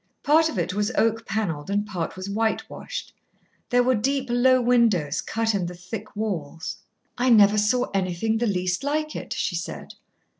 Part of it was oak panelled and part was whitewashed. There were deep, low windows cut in the thick walls. "I never saw anything the least like it," she said.